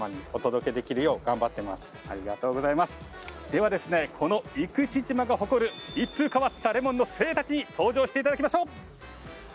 ではですね、この生口島が誇る一風変わったレモンの精鋭たちに登場していただきましょう。